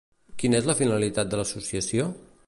Quina és la finalitat de l'associació?